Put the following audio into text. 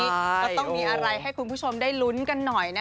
ก็ต้องมีอะไรให้คุณผู้ชมได้ลุ้นกันหน่อยนะ